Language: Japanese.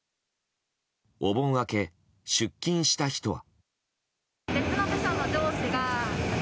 お盆明け出勤した人は。